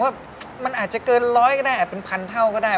ว่ามันอาจจะเกินร้อยก็ได้เป็นพันเท่าก็ได้